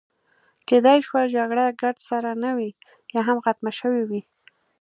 کیدای شوه جګړه ګرد سره نه وي، یا هم ختمه شوې وي.